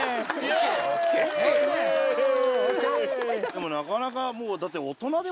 でもなかなかもうだって。